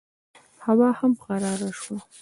هوا هم قراره شوه.